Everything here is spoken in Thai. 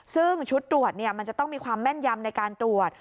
ซึ่งชุดตรวจมันจะต้องมีความแม่นยำในการตรวจ